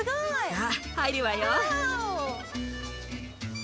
さぁ入るわよ。